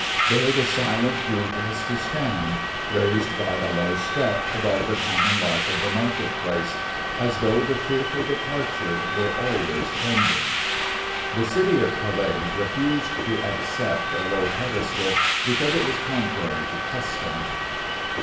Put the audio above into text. There the silent group was to stand, raised by a low step above the common life of the market place as though the fearful departure were always pending. The City of Calais refused to accept a low pedestal because it was contrary to custom.